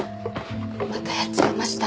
またやっちゃいました。